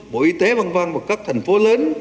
bộ y tế vang vang vào các thành phố lớn